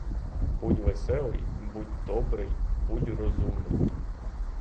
Будь веселий, будь добрий, будь розумний!